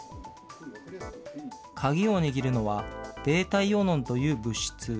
鍵を握るのは、βイオノンという物質。